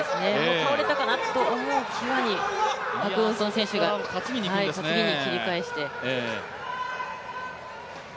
倒れたかなと思う際にパク・ウンソン選手が担ぎに返して。